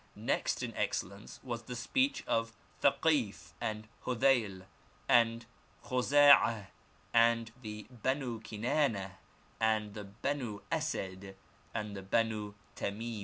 Next in excellence was the speech of Thakif and Hodhayl, and Khoza'ah and the Benii Kinaneh and the Benu Asad and the Benu Temim.